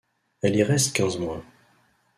Elle y reste quinze mois.